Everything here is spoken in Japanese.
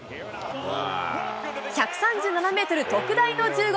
１３７メートル、特大の１０号。